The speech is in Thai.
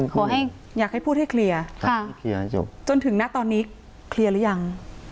ขอให้อยากให้พูดให้เคลียร์ค่ะเคลียร์ให้จบจนถึงหน้าตอนนี้เคลียร์หรือยัง